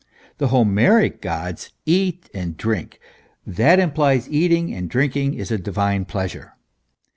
The Homeric gods eat and drink; that implies: eating and drinking is a divine pleasure.